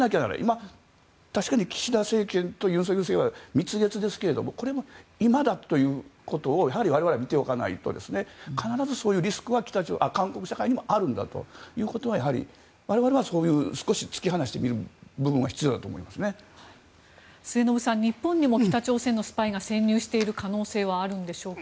今、確かに岸田政権と尹政権は蜜月ですけどもこれも今だということをやはり我々は見ておかないと必ずそういうリスクは韓国社会にもあるんだということはやはり我々は少し突き放して見る部分が末延さん、日本にも北朝鮮のスパイが潜入している可能性はあるんでしょうか？